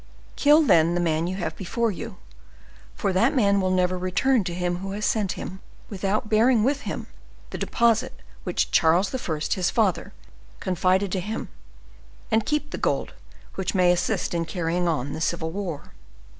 Kill, then, the man you have before you, for that man will never return to him who has sent him without bearing with him the deposit which Charles I., his father, confided to him, and keep the gold which may assist in carrying on the civil war.